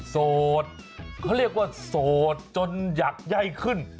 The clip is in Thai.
โสดเขาเรียกว่าโสดจนใหญ่ขึ้น